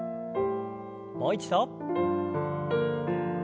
もう一度。